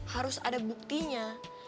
harus ada buktinya